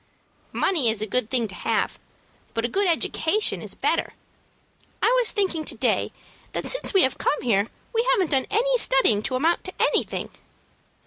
"Money is a good thing to have, but a good education is better. I was thinking to day that since we have come here we haven't done any studying to amount to anything."